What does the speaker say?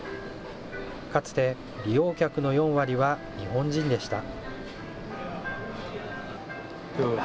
かつて利用客の４割は日本人でした。